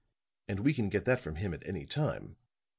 And we can get that from him at any time.